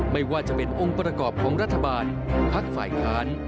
ไม่ว่าจะเป็นองค์ประกอบของรัฐบาลพักฝ่ายค้าน